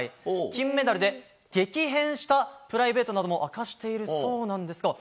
金メダルで激変したプライベートなども明かしているそうなんですが。